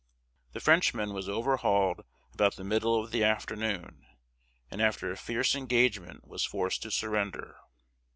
The Frenchman was overhauled about the middle of the afternoon, and after a fierce engagement was forced to surrender.